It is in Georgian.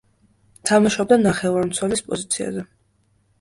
თამაშობდა ნახევარმცველის პოზიციაზე.